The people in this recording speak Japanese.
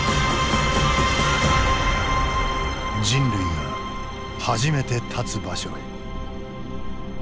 人類が初めて立つ場所へ。